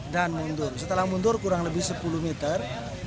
dan mundur setelah mundur kurang lebih sepuluh meter